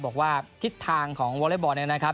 บอกว่าทิศทางของวอเล็กบอลเนี่ยนะครับ